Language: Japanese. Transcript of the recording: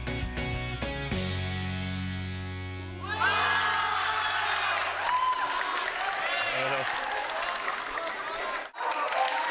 おはようございます。